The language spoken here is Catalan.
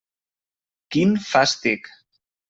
Quin fàstic!